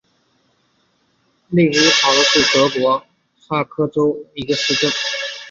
内茨希考是德国萨克森州的一个市镇。